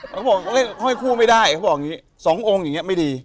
เขาบอกเล่นห้อยคู่ไม่ได้เขาบอกอย่างนี้๒องค์อย่างนี้ไม่ดี